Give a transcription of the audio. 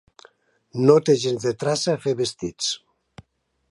No té gens de traça a fer vestits.